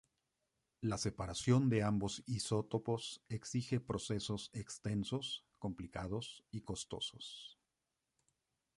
La separación de ambos isótopos exige procesos extensos, complicados y costosos.